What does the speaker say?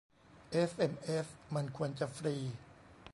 เอสเอ็มเอสมันควรจะฟรี